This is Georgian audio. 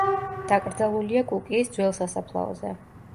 დაკრძალულია კუკიის ძველ სასაფლაოზე.